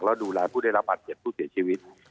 และดูแลผู้ได้รับบาดเจ็บผู้เสียชีวิต